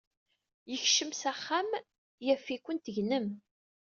Yekcem s axxam yaf-iken tegnem.